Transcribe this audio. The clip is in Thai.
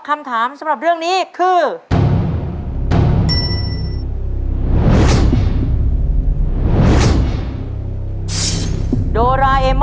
ต้นไม้ประจำจังหวัดระยองการครับ